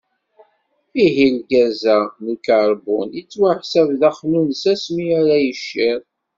Ihi, lgaz-a n ukarbun, yettwaḥsab d axnunnes asmi ara yiciḍ.